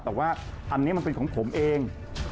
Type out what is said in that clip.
แต่ว่าอันนี้มันเป็นของผมเอง